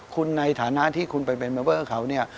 คุณในฐานะที่คุณไปเกี่ยวกับเค้า